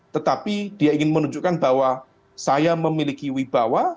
tetapi dia ingin menunjukkan bahwa saya memiliki wibawa